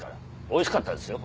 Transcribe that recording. おいしかったですよ。